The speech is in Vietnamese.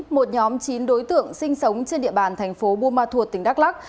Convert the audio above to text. một nhóm chín đối tượng sinh sống trên địa bàn thành phố buôn ma thuột tỉnh đắk lắc